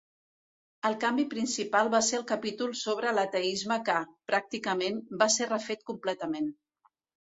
El canvi principal va ser el capítol sobre l'ateisme que, pràcticament, va ser refet completament.